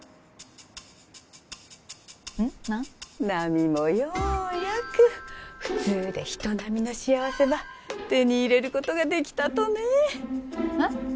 奈未もようやく普通で人並みの幸せば手に入れることができたとねえっ？